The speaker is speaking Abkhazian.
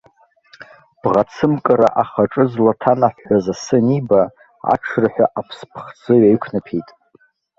Бӷацымкыра ахаҿы злаҭанаҳәҳәаз асы аниба, аҽырҳәа аԥс-ԥхӡы ҩаиқәнаҭәеит.